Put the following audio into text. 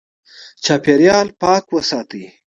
چاپېریال پاک وساتئ.